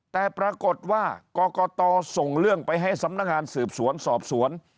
แต่ปรากฏว่ากรกตส่งเรื่องไปให้สำนักงานสืบสวนสอบสวน